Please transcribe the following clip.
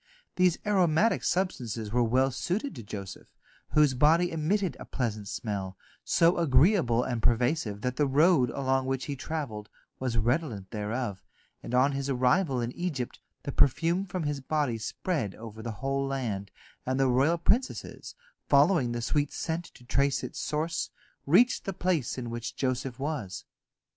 These aromatic substances were well suited to Joseph, whose body emitted a pleasant smell, so agreeable and pervasive that the road along which he travelled was redolent thereof, and on his arrival in Egypt the perfume from his body spread over the whole land, and the royal princesses, following the sweet scent to trace its source, reached the place in which Joseph was.